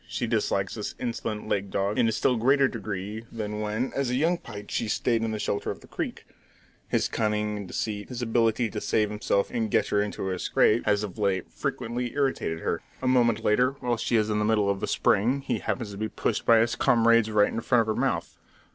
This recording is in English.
She dislikes this insolent lake dog in a still greater degree than when, as a young pike, she stayed in the shelter of the creek. His cunning and deceit, his ability to save himself and to get her into a scrape, has of late frequently irritated her. A moment later, while she is in the middle of a spring, he happens to be pushed by his comrades right in front of her mouth.